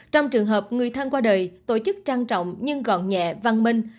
trong trường hợp người thân qua đời tổ chức trang trọng nhưng gọn nhẹ văn minh